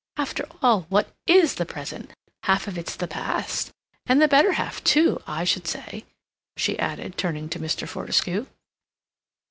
After all, what IS the present? Half of it's the past, and the better half, too, I should say," she added, turning to Mr. Fortescue.